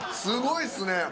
すごいっすね。